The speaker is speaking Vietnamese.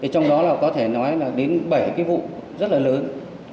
trong đó là có thể nói là đến bảy cái vụ rất là lớn